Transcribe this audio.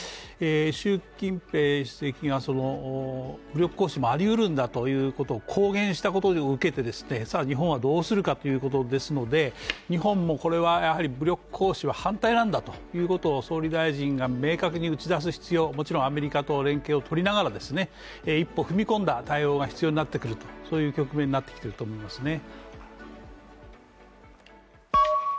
習近平主席が武力行使もありうるということを公言したことを受けて、さあ日本はどうするかということですので日本もこれは武力行使は反対なんだということを総理大臣が明確に打ち出す必要、もちろんアメリカと連携を取りながら、一歩踏み込んだ対応が必要になってくるとそういう局面になってきていると思いますね。